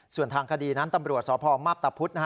ส่วนทางคดีนั้นตำรวจสพมาพตะพุธ